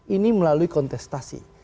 ini melalui kontestasi